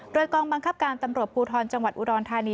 โดยกองบังคับการตำรวจภูทรจังหวัดอุดรธานี